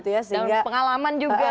dan pengalaman juga